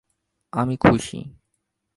আমি খুশি!